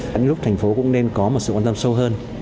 những lúc thành phố cũng nên có một sự quan tâm sâu hơn